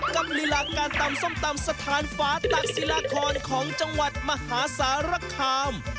ลีลาการตำส้มตำสถานฟ้าตักศิลาคอนของจังหวัดมหาสารคาม